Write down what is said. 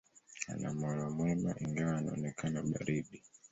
Ana moyo mwema, ingawa unaonekana baridi.